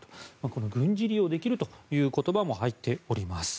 この軍事利用できるという言葉も入っております。